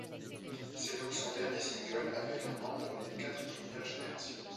C'est donc son dernier single avec un membre des quatre premières générations.